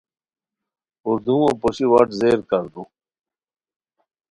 پردومو پوشی وٹ زیر کاردو